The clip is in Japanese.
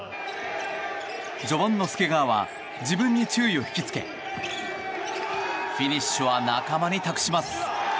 序盤の介川は自分に注意を引き付けフィニッシュは仲間に託します。